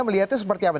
melihatnya seperti apa